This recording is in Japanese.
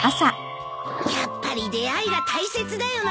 やっぱり出会いが大切だよな。